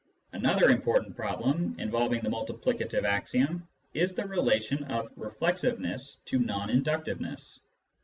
Another important problem involving the multiplicative axiom is the relation of reflexiveness to non inductiveness.